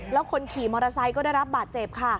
แล้วคนขี่มอเตอร์ไซค์ก็ได้รับบาดเจ็บค่ะ